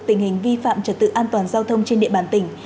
tình hình vi phạm trật tự an toàn giao thông trên địa bàn tỉnh